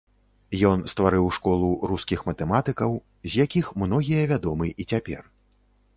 Ён стварыў школу рускіх матэматыкаў, з якіх многія вядомы і цяпер.